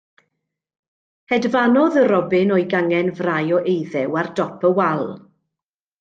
Hedfanodd y robin o'i gangen frau o eiddew ar dop y wal.